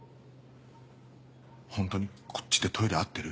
ホントにこっちでトイレ合ってる？